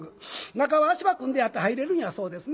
中は足場組んであって入れるんやそうですね。